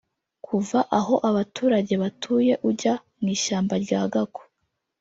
Kuva aho abaturage batuye ujya mu ishyamba rya Gako